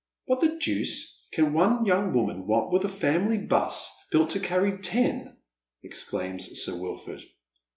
" What the dooce can one j'oung woman want with a family bus, built to carry ten ?" exclaims Sir Wilford.